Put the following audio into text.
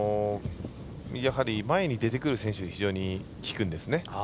前に出てくる選手に非常にきくんですね。